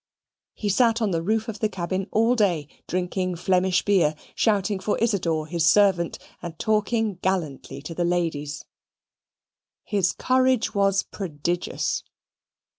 He sate on the roof of the cabin all day drinking Flemish beer, shouting for Isidor, his servant, and talking gallantly to the ladies. His courage was prodigious.